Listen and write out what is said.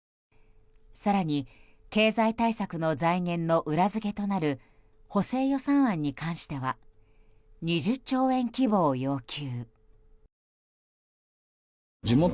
更に経済対策の財源の裏付けとなる補正予算案に関しては２０兆円規模を要求。